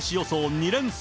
２連戦！